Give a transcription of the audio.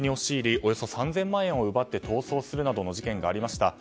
およそ３０００万円を奪って逃走するなどの事件がありました。